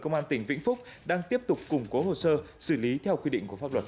công an tỉnh vĩnh phúc đang tiếp tục củng cố hồ sơ xử lý theo quy định của pháp luật